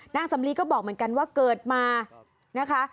นางสำลีก็บอกเหมือนกันว่าเกิดมานะคะ